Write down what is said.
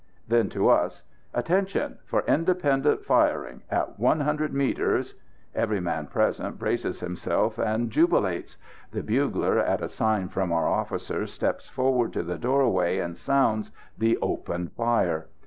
Then to us: "Attention! for independent firing! at one hundred metres " Every man present braces himself and jubilates. The bugler, at a sign from our officer, steps forward to the doorway and sounds the "Open fire."